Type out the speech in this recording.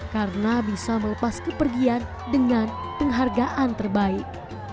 karena bisa melepas kepergian dengan penghargaan terbaik